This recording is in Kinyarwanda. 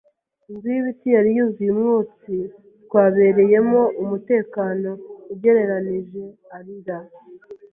Inzu y'ibiti yari yuzuye umwotsi, twabereyemo umutekano ugereranije. Arira